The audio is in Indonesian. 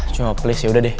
cuma please yaudah deh